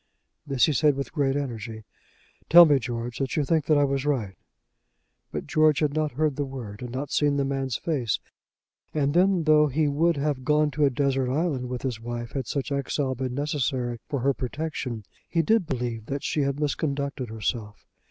This he said with great energy. "Tell me, George, that you think that I was right." But George had not heard the word, had not seen the man's face. And then, though he would have gone to a desert island with his wife, had such exile been necessary for her protection, he did believe that she had misconducted herself.